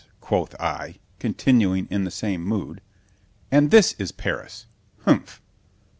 _ quoth I (continuing in the same mood)—and this is Paris!——humph!